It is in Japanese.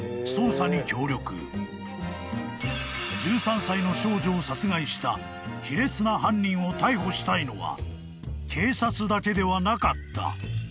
［１３歳の少女を殺害した卑劣な犯人を逮捕したいのは警察だけではなかった］